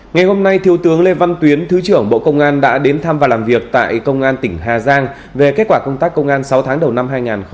ngày hôm nay thiếu tướng lê văn tuyến thứ trưởng bộ công an đã đến thăm và làm việc tại công an tỉnh hà giang về kết quả công tác công an sáu tháng đầu năm hai nghìn hai mươi ba